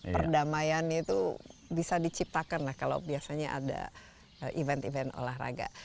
perdamaian itu bisa diciptakan lah kalau biasanya ada event event olahraga